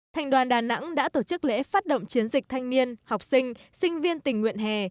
thành đoàn đà nẵng đã tổ chức lễ phát động chiến dịch thanh niên học sinh sinh viên tình nguyện hè